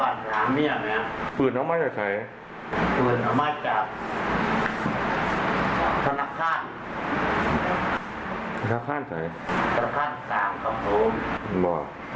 เรือนก็จะลาจนนะที